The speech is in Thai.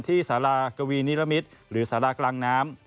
ที่ศาลากวีนิรมิตรหรือศาลากลางน้ำ